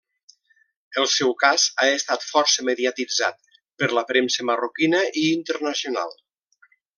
El seu cas ha estat força mediatitzat per la premsa marroquina i internacional.